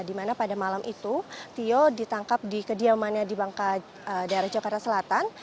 di mana pada malam itu tio ditangkap di kediamannya di bangka daerah jakarta selatan